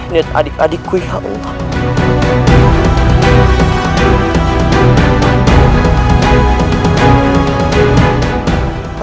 niat adik adikku ya allah